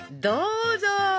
どうぞ！